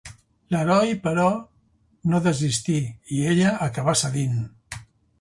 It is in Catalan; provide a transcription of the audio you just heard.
L'heroi, però, no desistí i ella acabà cedint.